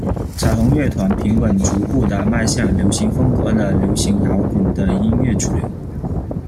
彩虹乐团平稳逐步的迈向流行风格的流行摇滚的音乐主流。